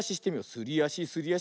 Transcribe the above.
すりあしすりあし。